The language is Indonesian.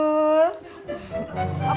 pak pak pak